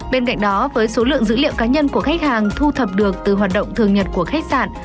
bên cạnh đó với số lượng dữ liệu cá nhân của khách hàng thu thập được từ hoạt động thường nhật của khách sạn